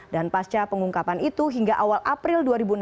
dan pasca pengungkapan itu hingga awal april dua ribu enam belas